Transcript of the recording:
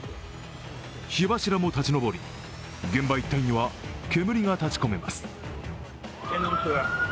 火柱も立ち上り、現場一帯には煙がたちこめます。